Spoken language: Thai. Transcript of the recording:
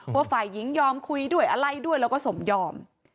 ฝ่ายหญิงยอมคุยด้วยอะไรด้วยแล้วก็สมยอม